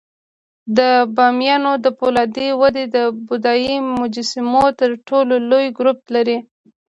د بامیانو د فولادي وادي د بودایي مجسمو تر ټولو لوی ګروپ لري